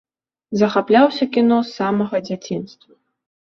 Захапляўся кіно з самага дзяцінства.